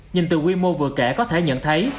nhìn từ quy mô vừa kể có thể nhận thấy